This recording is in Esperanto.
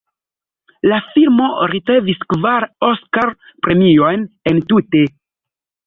La filmo ricevis kvar Oskar-premiojn entute.